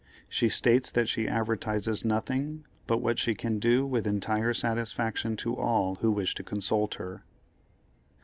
She states that she advertises nothing but what she can do with entire satisfaction to all who wish to consult her.